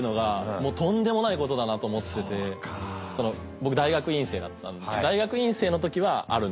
僕大学院生だった大学院生の時はあるんです